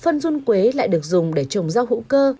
phân run quế lại được dùng để trồng rau hữu cơ